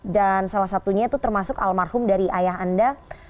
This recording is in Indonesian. dan salah satunya itu termasuk almarhum dari ayah anda